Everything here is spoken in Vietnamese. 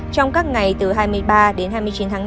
trong các ngày từ hai mươi ba đến hai mươi chín tháng năm